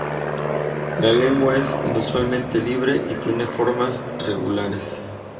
La lengua es inusualmente libre y tiene formas regulares.